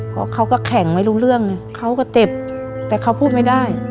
เพราะเขาก็แข็งไม่รู้เรื่องไงเขาก็เจ็บแต่เขาพูดไม่ได้